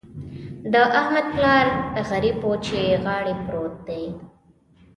د احمد پلار غريب وچې غاړې پروت دی.